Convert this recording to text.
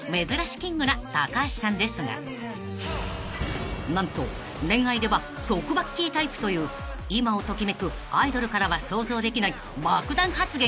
キングな橋さんですが何と恋愛ではソクバッキータイプという今を時めくアイドルからは想像できない爆弾発言が］